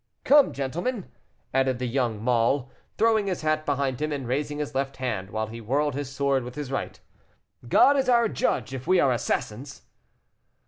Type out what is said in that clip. Come, gentlemen," added the young man, throwing his hat behind him, and raising his left hand, while he whirled his sword with the right, "God is our judge if we are assassins!"